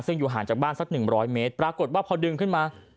ซึ่งอยู่ห่างจากบ้านสัก๑๐๐เมตรปรากฏว่าพอดึงขึ้นมา